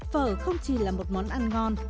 phở không chỉ là một món ăn ngon